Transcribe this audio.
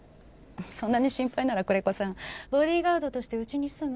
そんなに心配なら久連木さんボディーガードとしてうちに住む？